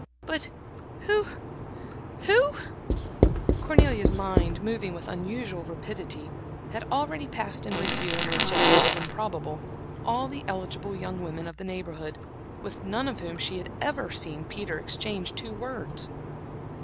"But who who" Cornelia's mind, moving with unusual rapidity, had already passed in review and rejected as improbable all the eligible young women of the Neighborhood, with none of whom she had ever seen Peter exchange two words.